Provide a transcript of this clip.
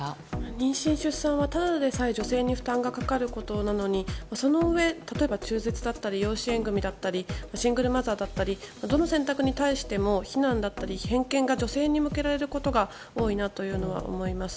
妊娠、出産はただでさえ女性に負担がかかることなのにそのうえ、例えば中絶だったり養子縁組だったりシングルマザーだったりどの選択に対しても非難だったり偏見が女性に向けられることが多いなというのは思います。